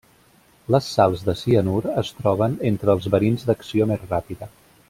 Les sals de cianur es troben entre els verins d'acció més ràpida.